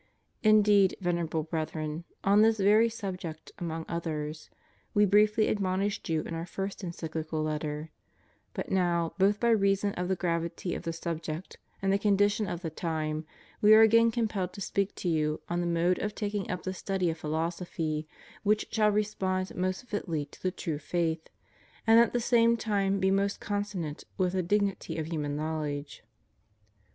Indeed, Venerable Brethren, on this very subject among others. We briefly admonished you in Our first Encyclical Letter; but now, both by reason of the graAdty of the subject and the condition of the time, we are again com pelled to speak to you on the mode of taking up the study of philosophy which shall respond most fitly to the true faith, and at the same time be most consonant with the dignity of human knowledge.